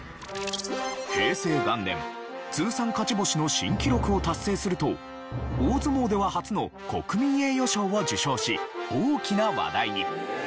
平成元年通算勝ち星の新記録を達成すると大相撲では初の国民栄誉賞を受賞し大きな話題に。